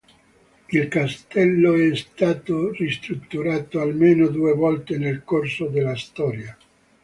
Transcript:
Il castello è stato ristrutturato almeno due volte nel corso della storia.